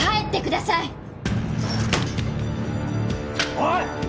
おい！